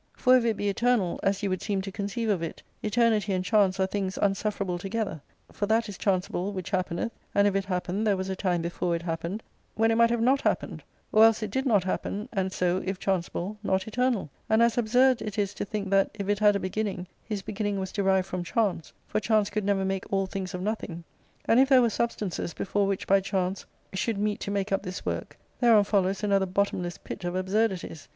For if it be eternal, as you would seem to conceive of it, eternity and chance are things unsuf ferable together. For that is chanceable which happeneth ; and if it happen, there was a time before it happened when it might have not happened ; or else it did not happen, and so, if chanceable, not eternal And as absurd it is to think that, if it had a beginning, his beginning was derived from chance ; for chance could never make all things of nothing : and if there were substances before which by chance should meet to make up this work, thereon follows another bottomless pit of absurdities.